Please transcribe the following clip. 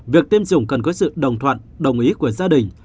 việc tiêm chủng cần có sự đồng thuận đồng ý của gia đình